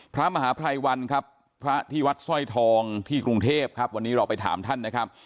พระมหาภัยวันครับพระที่วัดสร้อยทองที่กรุงเทพครับวันนี้เราไปถามท่านนะครับ